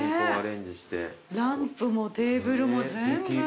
ランプもテーブルも全部。